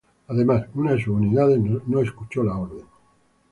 Además, una de sus unidades no escuchó la orden.